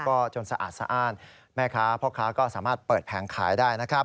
ก็จนสะอาดสะอ้านแม่ค้าพ่อค้าก็สามารถเปิดแผงขายได้นะครับ